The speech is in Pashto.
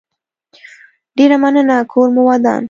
ډيره مننه کور مو ودان